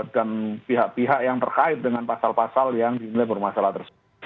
dan pihak pihak yang terkait dengan pasal pasal yang dimiliki bermasalah tersebut